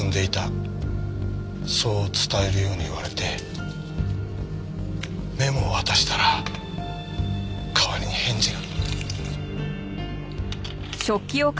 そう伝えるように言われてメモを渡したら代わりに返事が。